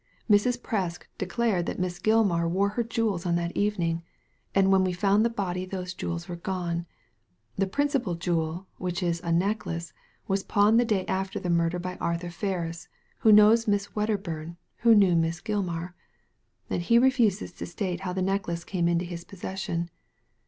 Mrs. Presk declared that Miss Gilmar wore her jewels on that evening, and when we found the body those jewels were gone. The principal jewel — which is a necklace — was pawned the day after the murder by Arthur Ferris, who knows Miss VVedderbum, who knew Miss Gilmar ; and he refuses to state how the necklace came into his possession.